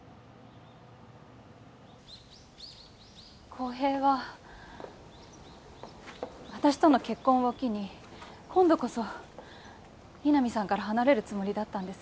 浩平は私との結婚を機に今度こそ井波さんから離れるつもりだったんです。